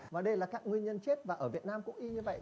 và đây là các nguyên nhân chết và ở việt nam cũng y như vậy